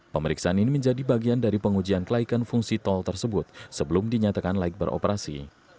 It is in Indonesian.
pemeriksaan ini menjadi bagian dari pengujian kelaikan fungsi tol tersebut sebelum dinyatakan laik beroperasi